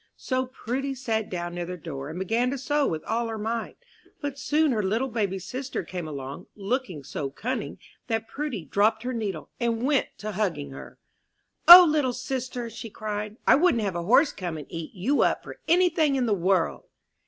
So Prudy sat down near the door, and began to sew with all her might; but soon her little baby sister came along, looking so cunning, that Prudy dropped her needle, and went to hugging her. "O, little sister," cried she, "I wouldn't have a horse come and eat you up for any thing in the world!"